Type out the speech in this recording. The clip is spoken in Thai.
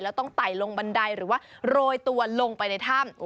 แล้วต้องไต่ลงบันไดหรือว่าโรยตัวลงไปในถ้ำ